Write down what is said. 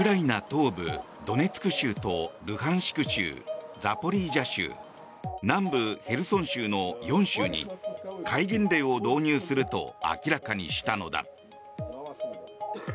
東部ドネツク州とルハンシク州ザポリージャ州南部ヘルソン州の４州に戒厳令を導入すると明らかにしたのだ。